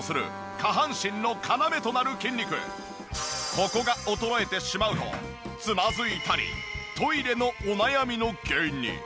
ここが衰えてしまうとつまずいたりトイレのお悩みの原因に。